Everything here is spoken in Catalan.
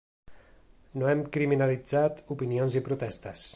No hem criminalitzat opinions i protestes.